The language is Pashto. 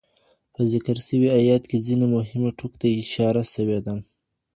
په ذکر سوي ایت کي ځینو مهمو ټکو ته اشاره سوې ده.